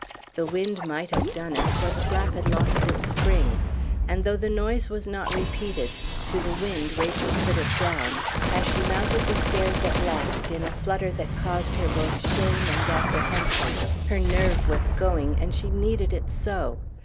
The wind might have done it, for the flap had lost its spring; and, though the noise was not repeated, to the wind Rachel put it down, as she mounted the stairs at last in a flutter that caused her both shame and apprehension. Her nerve was going, and she needed it so!